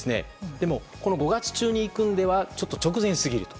でも、５月中に行くのでは直前すぎると。